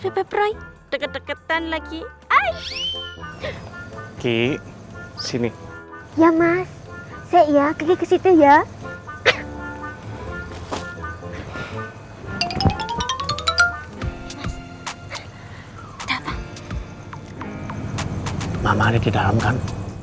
pepe prai deket deketan lagi hai ki sini ya mas saya ke situ ya udah apa mama ada di dalam kan